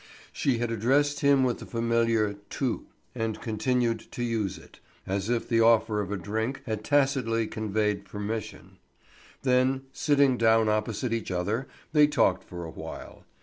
She had addressed him with the familiar tu, and continued to use it, as if the offer of a drink had tacitly conveyed permission. Then, sitting down opposite each other, they talked for a while.